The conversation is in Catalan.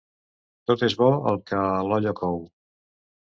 Tot és bo, el que l'olla cou.